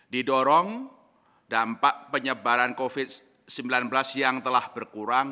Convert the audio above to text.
didorong dampak penyebaran covid sembilan belas yang telah berkurang